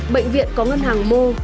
bệnh viện có ngân hàng mô